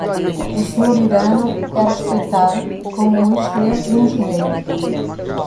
O Sr. Hirano é respeitado como um excelente engenheiro.